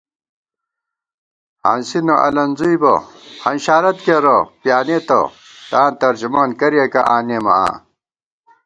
ہانسی نہ النزُوئی بہ، ہنشارت کرہ پیانېتہ، تاں ترجماں کریَکہ آنېمہ آں